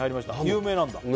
有名なんだ